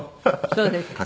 そうですか。